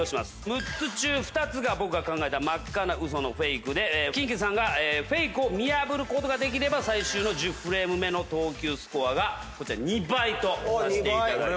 ６つ中２つが僕が考えた真っ赤な嘘のフェイクでキンキさんがフェイクを見破ることができれば最終の１０フレーム目の投球スコアを２倍とさせていただきます。